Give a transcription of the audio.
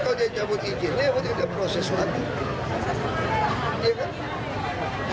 makanya kalau dicabut izin ya buatnya ada proses lagi